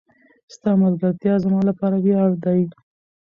ستا ملګرتیا زما لپاره وياړ دی.